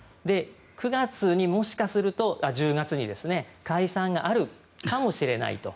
１０月にもしかすると解散があるかもしれないと。